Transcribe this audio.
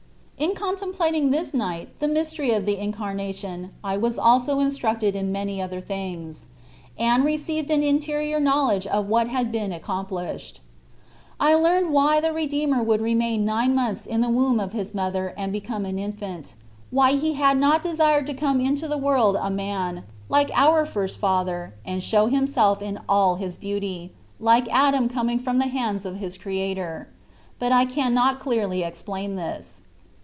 In contemplating this night the mystery of the Incarnation I was also instructed in many other things. Anne received an interior knowledge of what had been ac complished. I learned why the Redeemer would remain nine months in the womb of His mother and become an infant ; why He had not desired to come into the world a man, like our first father, and show Himself in all His beauty, like Adam coming from the hands of his Creator but I cannot clearly explain this.